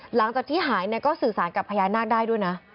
หลังจากที่หายก็สื่อสารกับพญานาคได้ด้วยนะ